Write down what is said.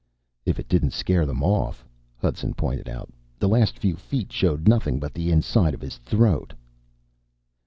"If it didn't scare them off," Hudson pointed out. "The last few feet showed nothing but the inside of his throat."